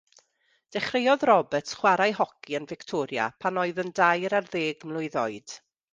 Dechreuodd Roberts chwarae hoci yn Victoria pan oedd yn dair ar ddeg mlwydd oed.